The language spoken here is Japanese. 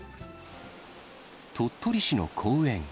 鳥取市の公園。